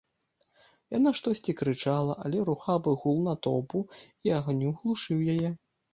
Яна штосьці крычала, але рухавы гул натоўпу і агню глушыў яе.